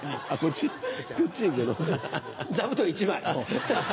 座布団１枚。